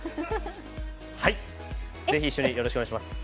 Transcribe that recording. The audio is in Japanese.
はい、ぜひ一緒によろしくお願いします。